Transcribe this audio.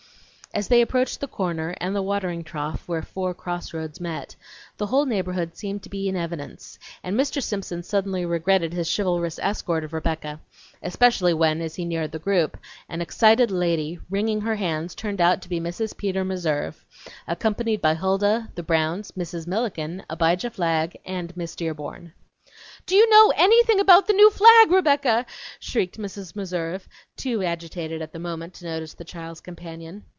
As they approached the corner and the watering trough where four cross roads met, the whole neighborhood seemed to be in evidence, and Mr. Simpson suddenly regretted his chivalrous escort of Rebecca; especially when, as he neared the group, an excited lady, wringing her hands, turned out to be Mrs. Peter Meserve, accompanied by Huldah, the Browns, Mrs. Milliken, Abijah Flagg, and Miss Dearborn. "Do you know anything about the new flag, Rebecca?" shrieked Mrs. Meserve, too agitated, at the moment, to notice the child's companion.